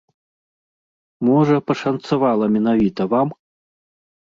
Можа, пашанцавала менавіта вам?